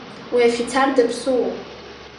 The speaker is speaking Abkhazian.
Уи афицар даԥсуоуп.